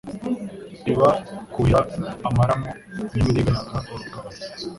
Iba kwuhira amaramu nyamiringa yanga urugabano.